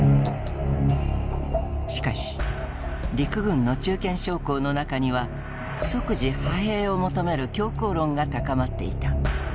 しかし陸軍の中堅将校の中には即時派兵を求める強硬論が高まっていた。